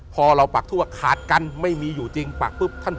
พอเราปักทั่วขาดกันไม่มีอยู่จริงปักปุ๊บท่าน